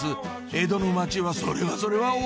江戸の街はそれはそれは大騒ぎ！